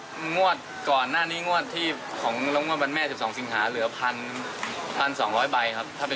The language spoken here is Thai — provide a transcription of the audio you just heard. คุณพีชบอกไม่อยากให้เป็นข่าวดังเหมือนหวยโอนละเวง๓๐ใบจริงและก็รับลอตเตอรี่ไปแล้วด้วยนะครับ